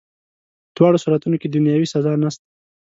په دواړو صورتونو کي دنیاوي سزا نسته.